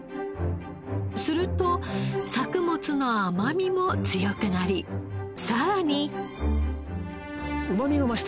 すると作物の甘みも強くなりさらに。